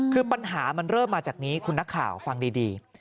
คือปัญหามันเริ่มมาจากนี้คุณนักข่าวฟังดี